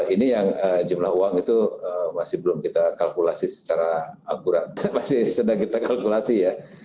ini yang jumlah uang itu masih belum kita kalkulasi secara akurat masih sedang kita kalkulasi ya